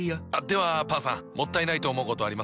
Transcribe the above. ではパンさんもったいないと思うことあります？